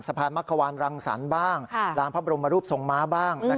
สะพานมะขวานรังสรรค์บ้างลานพระบรมรูปทรงม้าบ้าง